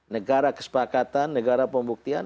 negara kesepakatan negara pembuktian